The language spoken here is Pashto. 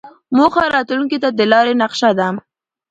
موخه راتلونکې ته د لارې نقشه ده.